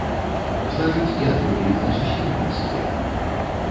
Значыць, яны былі не зусім блізкія.